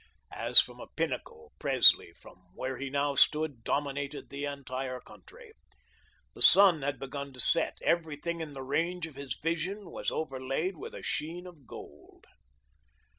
As from a pinnacle, Presley, from where he now stood, dominated the entire country. The sun had begun to set, everything in the range of his vision was overlaid with a sheen of gold.